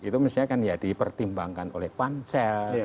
itu mestinya kan ya dipertimbangkan oleh pansel